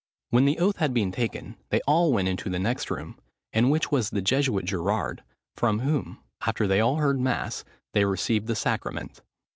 When the oath had been taken, they all went into the next room, in which was the Jesuit Gerard, from whom, after they had heard mass, they received the sacrament.